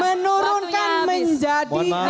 menurunkan menjadi enam persen